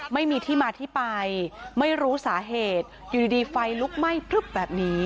ไม่มีที่มาที่ไปไม่รู้สาเหตุอยู่ดีไฟลุกไหม้พลึบแบบนี้